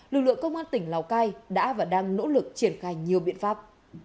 lực lượng công an tỉnh lào cai đã và đang nỗ lực triển khai nhiều biện pháp